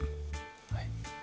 はい。